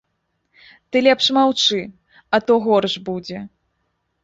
Ты лепш маўчы, а то горш будзе.